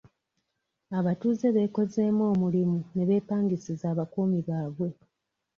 Abatuuze beekozeemu omulimu ne beepangisiza abakuumi bwabwe.